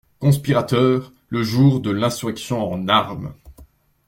Conspirateurs, le jour de l'insurrection en armes.